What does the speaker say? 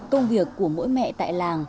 công việc của mỗi mẹ tại làng